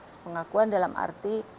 sepengakuan dalam arti